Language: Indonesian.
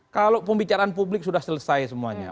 kalau pembicaraan publik sudah selesai semuanya